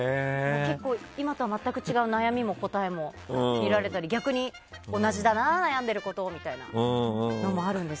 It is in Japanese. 今とは全く違う悩みも、答えも見られたり逆に同じだな悩んでることみたいなのがあるんです。